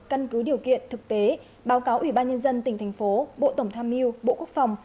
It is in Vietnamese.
căn cứ điều kiện thực tế báo cáo ủy ban nhân dân tỉnh thành phố bộ tổng tham mưu bộ quốc phòng